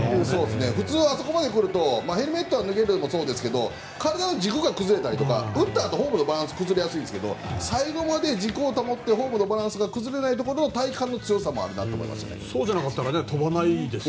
普通あそこまで来るとヘルメットが脱げるのはそうですけど体の軸が崩れたり打ったあとフォームのバランスが崩れやすいですが最後まで軸を保ってフォームのバランスが崩れないところが体感の強さもあったという。